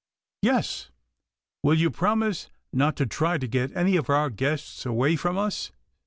"Yes; will you promise not to try to get any of our guests away from us?"